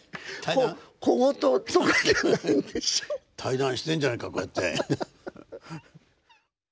対談してんじゃないかこうやって。